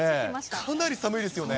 かなり寒いですよね。